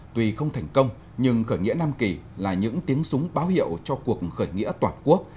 tuy không thành công nhưng khởi nghĩa nam kỳ là những tiếng súng báo hiệu cho cuộc khởi nghĩa toàn quốc